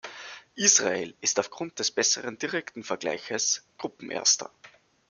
Israel ist aufgrund des besseren direkten Vergleiches Gruppenerster.